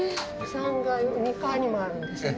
３階２階にもあるんですね。